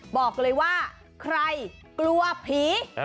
บอกเลยว่าใครกลัวผี